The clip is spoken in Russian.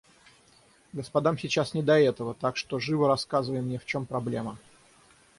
Господам сейчас не до этого, так что живо рассказывай мне в чем проблема.